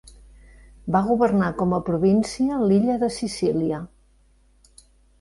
Va governar com a província l'illa de Sicília.